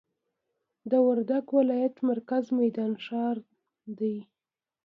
د وردګ ولایت مرکز میدان ښار دي.